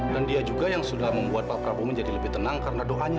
dan dia juga yang sudah membuat pak prabu menjadi lebih tenang karena doanya